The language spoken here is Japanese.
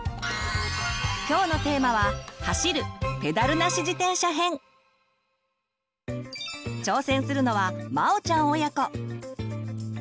今日のテーマは挑戦するのはまおちゃん親子。